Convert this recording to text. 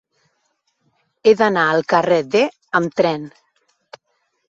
He d'anar al carrer D amb tren.